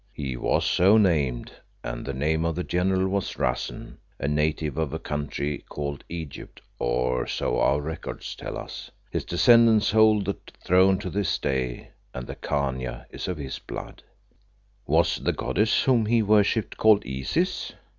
"He was so named, and the name of the general was Rassen, a native of a country called Egypt, or so our records tell us. His descendants hold the throne to this day, and the Khania is of his blood." "Was the goddess whom he worshipped called Isis?"